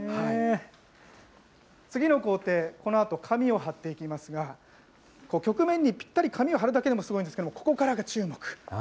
次の工程、このあと紙を貼っていきますが、曲面にぴったり紙を貼るだけでもすごいんですけれども、ここからが注目。